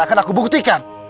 aku akan buktikan